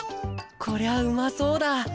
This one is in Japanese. こりゃうまそうだ！